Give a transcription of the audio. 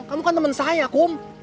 kamu kan teman saya kum